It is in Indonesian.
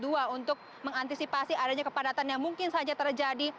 untuk mengantisipasi adanya kepadatan yang mungkin saja terjadi